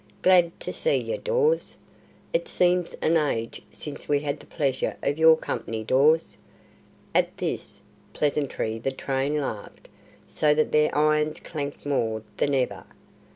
Glad to see yer, Dawes! It seems an age since we had the pleasure of your company, Dawes!" At this pleasantry the train laughed, so that their irons clanked more than ever.